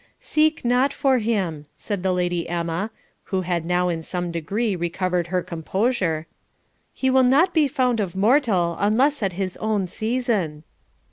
'Seek not for him,' said the Lady Emma, who had now in some degree recovered her composure, 'he will not be found of mortal, unless at his own season.'